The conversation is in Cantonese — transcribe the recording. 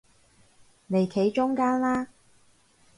嚟企中間啦